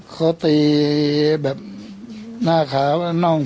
เค้าตั้งสิ่งหน้าขาได้งี่